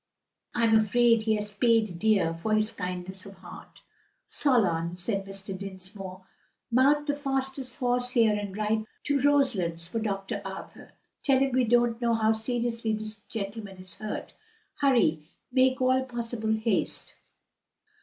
"I'm afraid he has paid dear for his kindness of heart!" "Solon," said Mr. Dinsmore, "mount the fastest horse here and ride to Roselands for Dr. Arthur. Tell him we don't know how seriously this gentleman is hurt. Hurry! make all possible haste!"